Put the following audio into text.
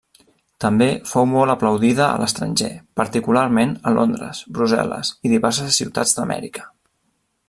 També fou molt aplaudida a l'estranger, particularment a Londres, Brussel·les i diverses ciutats d’Amèrica.